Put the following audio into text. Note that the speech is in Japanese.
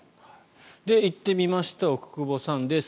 行ってみました奥窪さんです。